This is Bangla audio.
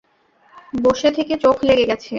বসে থেকে চোখ লেগে গেছে।